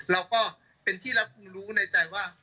เราก็เป็นที่รับรู้ในใจว่า